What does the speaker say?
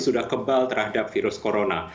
sudah kebal terhadap virus corona